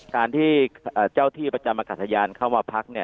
การที่เจ้าที่ประจำอากาศยานเข้ามาพัก